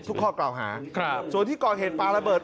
ข้อกล่าวหาครับส่วนที่ก่อเหตุปลาระเบิด